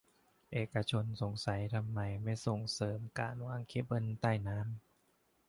เอกชนสงสัยทำไมไม่ส่งเสริมการวางเคเบิลใต้น้ำ